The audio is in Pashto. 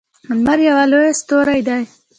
لمر یوه لویه ستوری ده